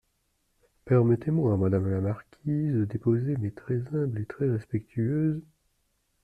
Permettez-moi, madame la marquise, de déposer mes très humbles et très respectueuses…